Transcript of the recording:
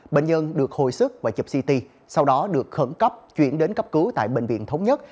bệnh nhân được hồi sức và chụp ct sau đó được khẩn cấp chuyển đến cấp cứu tại bệnh viện thống nhất